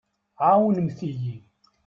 Ɛewnemt-iyi.